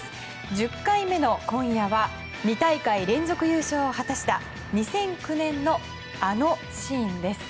１０回目の今夜は２大会連続優勝を果たした２００９年の、あのシーンです。